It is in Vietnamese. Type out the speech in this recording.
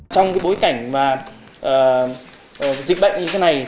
trong bối cảnh dịch bệnh như thế này